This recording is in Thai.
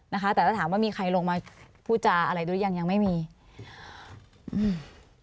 นะคะแต่ถ้าถามว่ามีใครลงมาพูดจาอะไรหรือยังยังไม่มีอืม